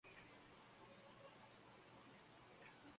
Era el cuarto hijo del rey Wen de Zhou y la reina Tai Si.